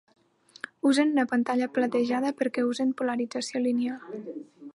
Usen una pantalla platejada, perquè usen polarització lineal.